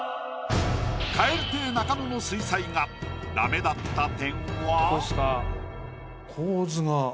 蛙亭中野の水彩画ダメだった点は？